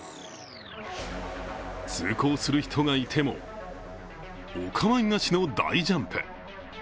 通行する人がいても、お構いなしの大ジャンプ。